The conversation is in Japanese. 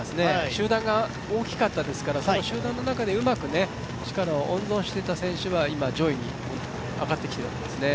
集団が大きかったですから、その集団の中でうまく力を温存していた選手は今、上位に上がってきてるんですね。